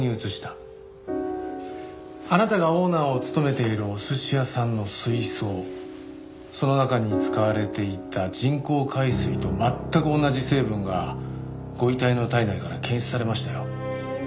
あなたがオーナーを務めているお寿司屋さんの水槽その中に使われていた人工海水と全く同じ成分がご遺体の体内から検出されましたよ。